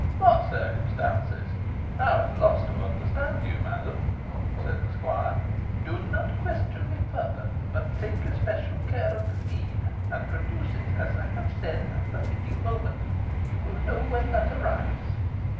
"What circumstances? I am at a loss to understand you, madam," said the squire. "Do not question me further, but take especial care of the deed, and produce it, as I have said, at the fitting moment. You will know when that arrives.